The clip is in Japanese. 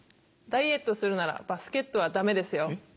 ダイエットするならバスケットはダメですよ。